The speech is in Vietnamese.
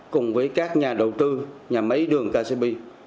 cùng với các nhà đầu tư nhà máy đường kcb